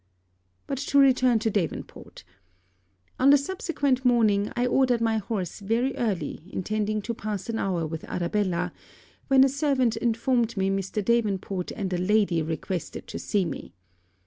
But to return to Davenport: on the subsequent morning, I ordered my horse very early intending to pass an hour with Arabella, when a servant informed me Mr. Davenport and a lady requested to see me.